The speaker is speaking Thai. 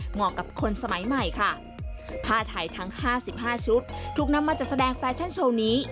เหมาะกับคนสมัยใหม่ค่ะผ้าไทยทั้งห้าสิบห้าชุดถูกนำมาจัดแสดงแฟชั่นโชว์นี้